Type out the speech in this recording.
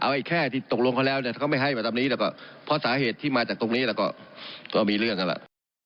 ไอ้แค่ที่ตกลงเขาแล้วเนี่ยเขาไม่ให้มาตามนี้แล้วก็เพราะสาเหตุที่มาจากตรงนี้แล้วก็มีเรื่องกันล่ะ